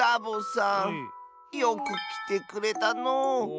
よくきてくれたのう。